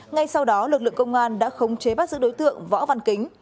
ngay sau đó lực lượng công an đã khống chế bắt giữ đối tượng võ văn kính